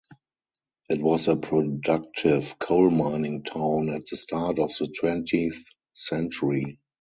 It was a productive coal mining town at the start of the twentieth century.